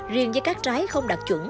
riêng với các trái không đạt chuẩn